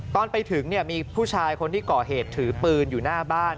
ตอนไปถึงมีผู้ชายคนที่ก่อเหตุถือปืนอยู่หน้าบ้าน